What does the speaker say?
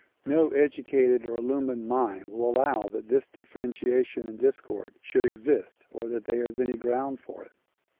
No educated or illumined mind will allow that this differentiation and discord should exist or that there is any ground for it.